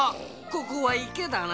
ここはいけだな。